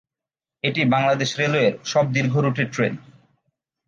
এটি বাংলাদেশ রেলওয়ের সব দীর্ঘ রুটের ট্রেন।